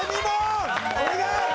お願い！